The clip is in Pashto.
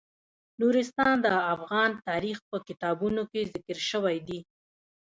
نورستان د افغان تاریخ په کتابونو کې ذکر شوی دي.